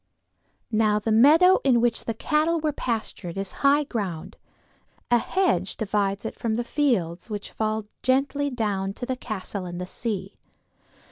Now the meadow in which the cattle were pastured is high ground; a hedge divides it from the fields which fall gently down to the castle and the sea.